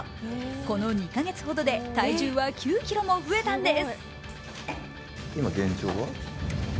この２か月ほどで体重は９ｋｇも増えたんです。